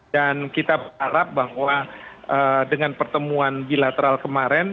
dan kita berharap bahwa dengan pertemuan bilateral kemarin